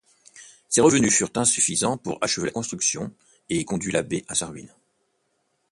Ses revenus furent insuffisants pour achever la construction et conduit l'abbé à sa ruine.